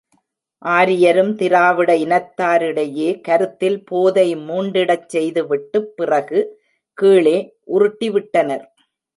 ஆரியரும், திராவிட இனத்தாரிடையே கருத்தில் போதை மூண்டிடச் செய்து விட்டுப் பிறகு கீழே உருட்டிவிட்டனர்.